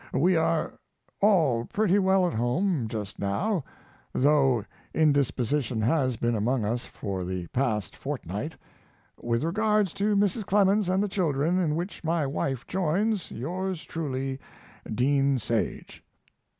We are all pretty well at home just now, though indisposition has been among us for the past fortnight. With regards to Mrs. Clemens and the children, in which my wife joins, Yours truly, DEAN SAGE.